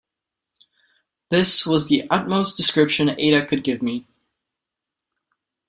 This was the utmost description Ada could give me.